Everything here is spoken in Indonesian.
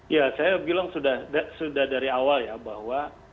ya saya bilang sudah dari awal ya bahwa